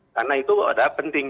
karena itu ada penting